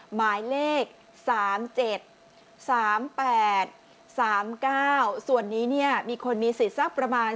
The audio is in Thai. หมายเลข๓๗๓๘๓๙ส่วนนี้เนี่ยมีคนมีสิทธิ์สักประมาณ